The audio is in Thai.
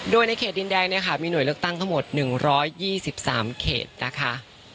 โดยในเขตดินแดงเนี่ยค่ะมีหน่วยเลือกตั้งทั้งหมด๑๒๓เขตนะคะ